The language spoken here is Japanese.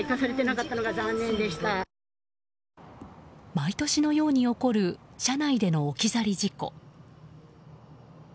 毎年のように起こる車内での置き去り事故。